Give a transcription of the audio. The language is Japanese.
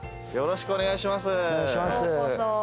よろしくお願いします。